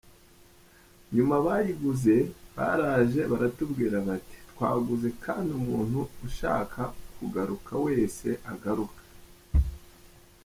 Nyuma abayiguze baraje baratubwira bati ‘twaguze kandi umuntu ushaka kugaruka wese agaruke’.